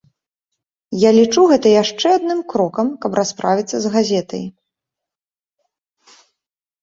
Я лічу гэта яшчэ адным крокам, каб расправіцца з газетай.